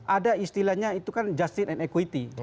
ada istilahnya itu kan justice and equity